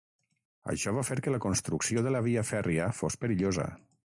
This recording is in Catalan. Això va fer que la construcció de la via fèrria fos perillosa.